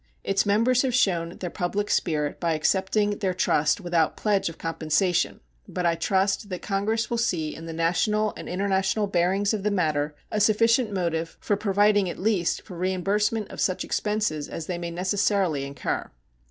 Its members have shown their public spirit by accepting their trust without pledge of compensation, but I trust that Congress will see in the national and international bearings of the matter a sufficient motive for providing at least for reimbursement of such expenses as they may necessarily incur.